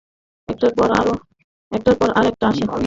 একটার পর আর একটা আসে।